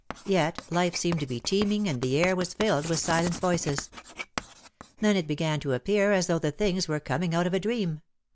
Yet life seemed to be teeming and the air was filled with silent voices. Then it began to appear as though the things were coming out of a dream.